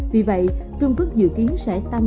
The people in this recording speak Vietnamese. vì vậy trung quốc dự kiến sẽ tăng